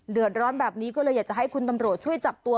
เดือดร้อนแบบนี้ก็เลยอยากจะให้คุณตำรวจช่วยจับตัว